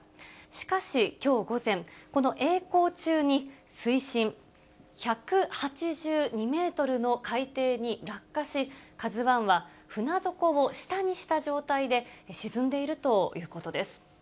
しかし、きょう午前、このえい航中に水深１８２メートルの海底に落下し、ＫＡＺＵＩは船底を下にした状態で沈んでいるということです。